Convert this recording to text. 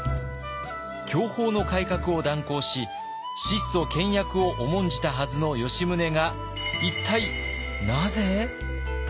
享保の改革を断行し質素倹約を重んじたはずの吉宗が一体なぜ？